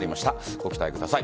ご期待ください。